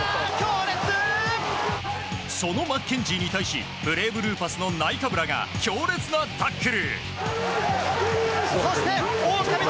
そのマッケンジーに対しブレイブルーパスのナイカブラが強烈なタックル。